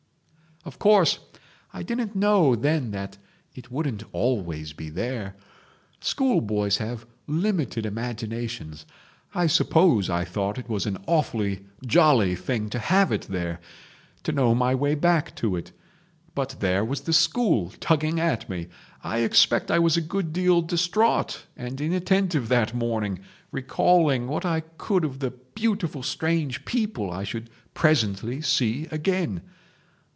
"Of course, I didn't know then that it wouldn't always be there. School boys have limited imaginations. I suppose I thought it was an awfully jolly thing to have it there, to know my way back to it, but there was the school tugging at me. I expect I was a good deal distraught and inattentive that morning, recalling what I could of the beautiful strange people I should presently see again.